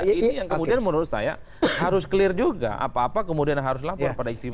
nah ini yang kemudian menurut saya harus clear juga apa apa kemudian harus lapor pada istimewa